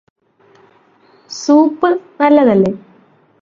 soup നല്ലതല്ലേ